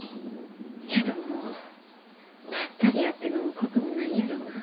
けどもうバッタリ会って飲むこともないやろな。